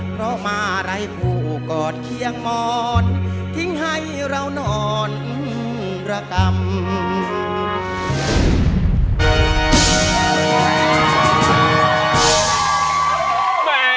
เพราะมาไร้ผู้กอดเคียงมอนทิ้งให้เรานอนระกรรม